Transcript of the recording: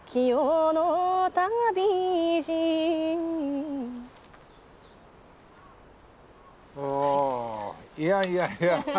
いやいやいやいや。